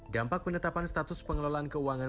dampak penetapan status pengelolaan keuangan